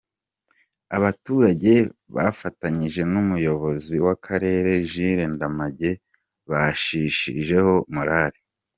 Abaturage bafatanyije n’umuyobozi w’akarere Jules Ndamage bacishijeho morale.